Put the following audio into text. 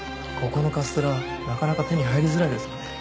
ここのカステラなかなか手に入りづらいですよね。